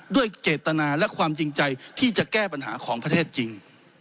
ด้วยเจตนาและความจริงใจที่จะแก้ปัญหาของประเทศจริง